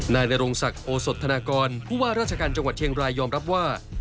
นายนรงศักดิ์โอสดธนากรผู้ว่าราชการจังหวัดเชียงรายยอมรับว่า